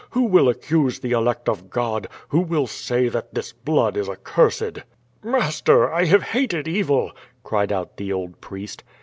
Who will accuse the elect o£ God? Who will say that this blood is accursed?'' "Master, 1 have liated evil!'' cried out the old priest.